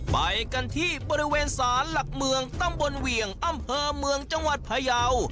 ไปกันที่บริเวณศาลหลักเมืองตำบลเวียงอำเภอเมืองจังหวัดพยาว